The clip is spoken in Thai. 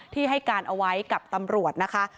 ที่ให้การเอาไว้กับตำรวจนะคะ